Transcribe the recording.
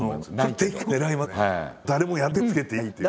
誰も手をつけていないっていう。